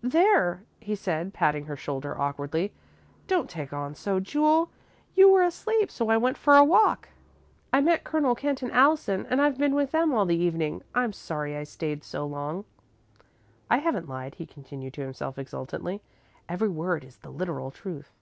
"There," he said, patting her shoulder awkwardly. "Don't take on so, Jule. You were asleep, so I went out for a walk. I met Colonel Kent and Allison and I've been with them all the evening. I'm sorry I stayed so long." "I haven't lied," he continued, to himself, exultantly. "Every word is the literal truth."